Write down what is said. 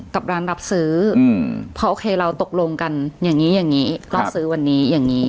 กับร้านรับซื้อพอโอเคเราตกลงกันอย่างนี้อย่างนี้ก็ซื้อวันนี้อย่างนี้